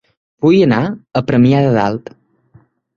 Vull anar a Premià de Dalt